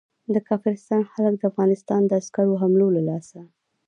د کافرستان خلک د افغانستان د عسکرو حملو له لاسه.